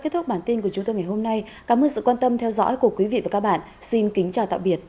cảm ơn các bạn đã theo dõi và hẹn gặp lại